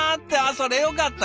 そりゃよかった！